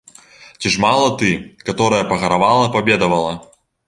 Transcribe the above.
Ці ж мала ты, каторая, пагаравала, пабедавала?